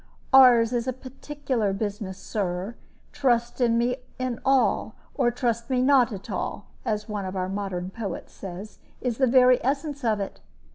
Ours is a peculiar business, Sir: 'Trust me in all, or trust me not at all,' as one of our modern poets says, is the very essence of it.